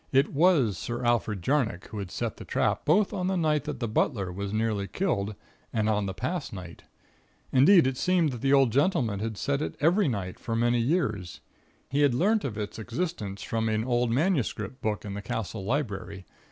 It was Sir Alfred Jarnock who had set the trap, both on the night that the butler was nearly killed, and on the past night. Indeed, it seemed that the old gentleman had set it every night for many years. He had learnt of its existence from an old manuscript book in the Castle library.